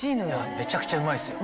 めちゃくちゃうまいっすよ。